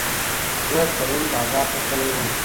زه پرون بازار ته تللي وم